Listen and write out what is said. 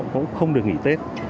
cũng không được nghỉ tết